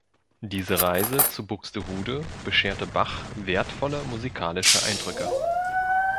Diese Reise zu Buxtehude bescherte Bach wertvolle musikalische Eindrücke.